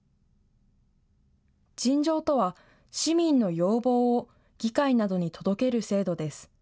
陳情とは、市民の要望を議会などに届ける制度です。